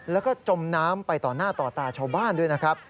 แล้วก็จมน้ำไปต่อหน้าต่อตาชาวบ้านด้วยนะครับ